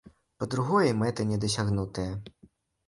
Па-другое, і мэты не дасягнутыя!